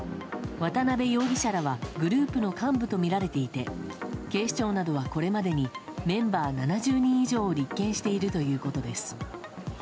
渡辺容疑者らはグループの幹部とみられていて警視庁などはこれまでにメンバー７０人以上を立件しているということです。